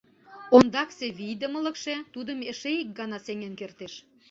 Ондаксе вийдымылыкше тудым эше ик гана сеҥен кертеш.